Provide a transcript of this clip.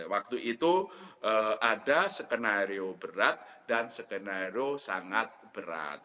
waktu itu ada skenario berat dan skenario sangat berat